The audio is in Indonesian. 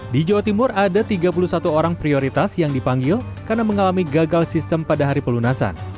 di jawa timur ada tiga puluh satu orang prioritas yang dipanggil karena mengalami gagal sistem pada hari pelunasan